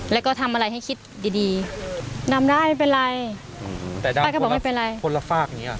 แล้วก็ทำอะไรให้คิดดีดีนำได้ไม่เป็นไรแต่ได้ป้าก็บอกไม่เป็นไรคนละฝากอย่างเงี้